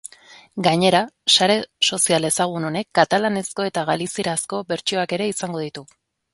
Gainera, sare sozial ezagun honek katalanezko eta galizierazko bertsioak ere izango ditu.